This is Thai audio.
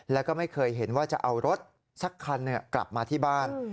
แล้วก็ไม่เคยเห็นว่าจะเอารถสักคันกลับมาที่บ้าน